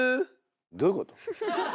どういうこと？